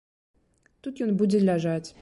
Тут ён будзе ляжаць.